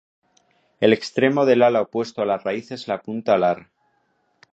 El extremo del ala opuesto a la raíz es la punta alar.